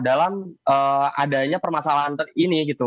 dalam adanya permasalahan ini gitu